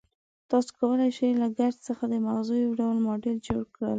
تاسې کولای شئ له ګچ څخه د مغزو یو ماډل جوړ کړئ.